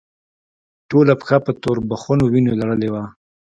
ټوله پښه په توربخونو وينو لړلې وه.